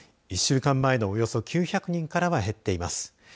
１週間前のおよそ９００人からは減っています。